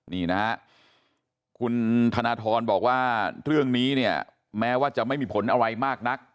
นี่นะฮะคุณธนทรบอกว่าเรื่องนี้เนี่ยแม้ว่าจะไม่มีผลอะไรมากนัก